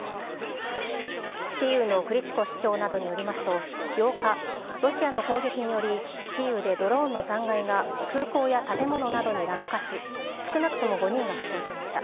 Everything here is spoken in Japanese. キーウのクリチコ市長などによりますと、８日、ロシアの攻撃により、キーウでドローンの残骸が空港や建物などに落下し、少なくとも５人が負傷しました。